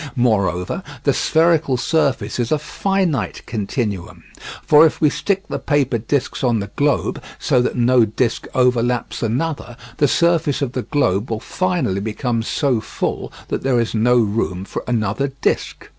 Moreover, the spherical surface is a finite continuum. For if we stick the paper discs on the globe, so that no disc overlaps another, the surface of the globe will finally become so full that there is no room for another disc.